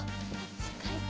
しっかりと。